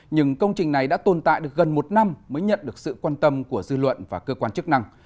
nhưng công trình này đã tồn tại được gần một năm mới nhận được sự quan tâm của dư luận và cơ quan chức năng